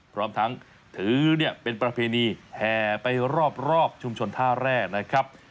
พร้อมทั้งถือเป็นประเพณีแห่ไปรอบชุมชนท่าแร่นะครับ